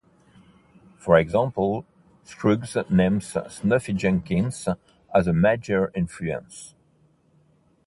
For example, Scruggs names Snuffy Jenkins as a major influence.